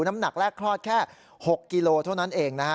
น้ำหนักแรกคลอดแค่๖กิโลเท่านั้นเองนะฮะ